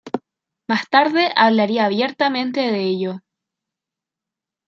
Más tarde hablaría abiertamente de ello.